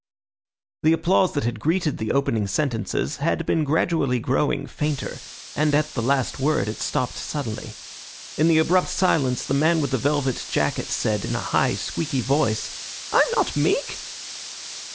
The applause that had greeted the opening sentences had been gradually growing fainter, and at the last word it stopped suddenly. In the abrupt silence, the man with the velvet jacket said, in a high, squeaky voice— "I'm not meek!"